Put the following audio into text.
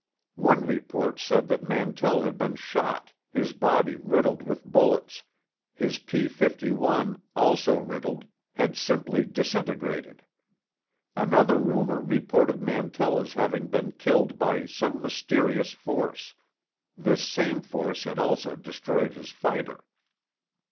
One report said that Mantell had been shot, his body riddled with bullets; his P 51, also riddled, had simply disintegrated. Another rumor reported Mantell as having been killed by some mysterious force; this same force had also destroyed his fighter.